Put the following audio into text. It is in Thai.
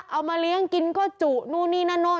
เอามาเลี้ยงกินก็จุนู่นนี่นั่นนู่น